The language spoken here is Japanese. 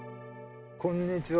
こんにちは。